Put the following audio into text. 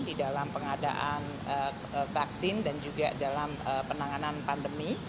di dalam pengadaan vaksin dan juga dalam penanganan pandemi